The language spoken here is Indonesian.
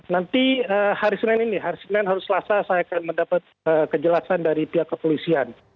nanti hari senin ini hari senin harus selasa saya akan mendapat kejelasan dari pihak kepolisian